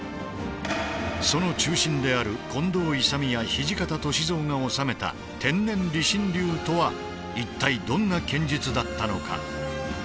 その中心である近藤勇や土方歳三が修めた天然理心流とは一体どんな剣術だったのか？